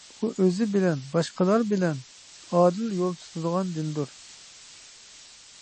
ئۇ ئۆزى بىلەن، باشقىلار بىلەن ئادىل يول تۇتىدىغان دىندۇر.